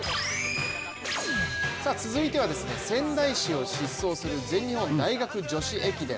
続いては仙台市を疾走する全日本大学女子駅伝。